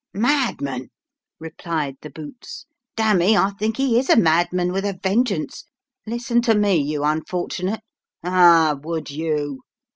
" Madman I " replied the boots, " dam'me, I think he is a madman with a vengeance ! Listen to me, you unfort'nate. Ah ! would you